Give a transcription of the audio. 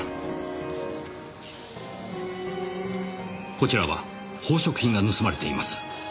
こちらは宝飾品が盗まれています。